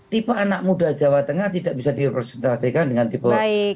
tipe anak muda jawa tengah tidak bisa direpresentasikan dengan tipe